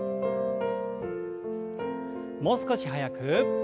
もう少し速く。